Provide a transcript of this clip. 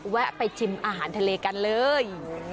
แวะไปชิมอาหารทะเลกันเลย